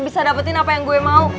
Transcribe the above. bisa dapetin apa yang gue mau